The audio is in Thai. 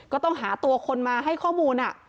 ก็ต้องหาตัวคนมาให้ข้อมูล